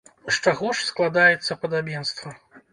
З чаго ж складаецца падабенства?